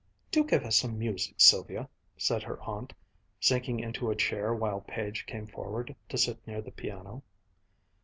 "Do give us some music, Sylvia," said her aunt, sinking into a chair while Page came forward to sit near the piano.